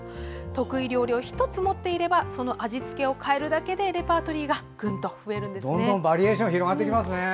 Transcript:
得意料理を１つ持っていればその味付けを変えるだけでレパートリーがバリエーションが広がっていきますね。